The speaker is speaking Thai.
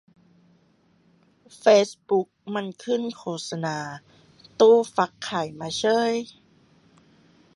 เฟซบุ๊กมันขึ้นโฆษณาตู้ฟักไข่มาเฉ๊ย